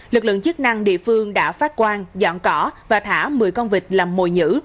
lực lượng chức năng địa phương đã phát quan dọn cỏ và thả một mươi con vịt làm mồi nhữ